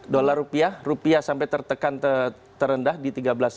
dollar rupiah rupiah sampai tertekan terendah di tiga belas tujuh ratus